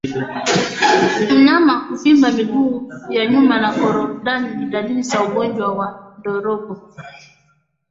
Mnyama kuvimba miguu ya nyuma na korodani ni dalili ya ugonjwa wa ndorobo